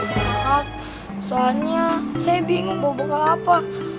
ya soalnya saya bingung bubekel apa